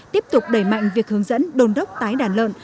tiếp tục đẩy mạnh việc hướng dẫn đồn đốc tái đàn lợn